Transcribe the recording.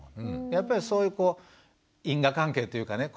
やっぱりそういう因果関係というかね